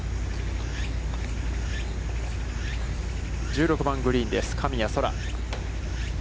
１６番グリーンです、神谷そら。